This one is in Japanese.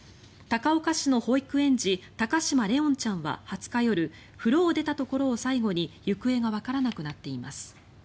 高岡市の保育園児高嶋怜音ちゃんは２０日夜風呂を出たところを最後に行方がわからなくなっています。